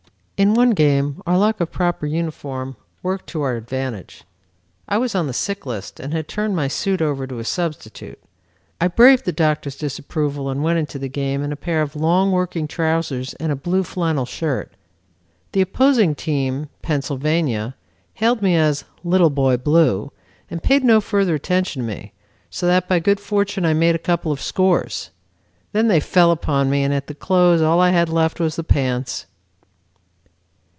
"In one game our lack of proper uniform worked to our advantage. I was on the sick list and had turned my suit over to a substitute. I braved the doctor's disapproval and went into the game in a pair of long working trousers and a blue flannel shirt. The opposing team, Pennsylvania, hailed me as 'Little Boy Blue,' and paid no further attention to me, so that by good fortune I made a couple of scores. Then they fell upon me, and at the close all I had left was the pants."